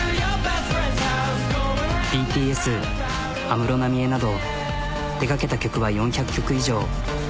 ＢＴＳ安室奈美恵など手がけた曲は４００曲以上。